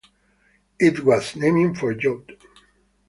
It was named for J.